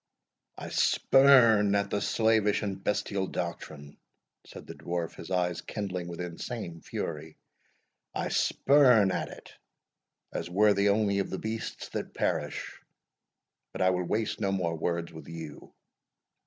"I spurn at the slavish and bestial doctrine," said the Dwarf, his eyes kindling with insane fury, "I spurn at it, as worthy only of the beasts that perish; but I will waste no more words with you."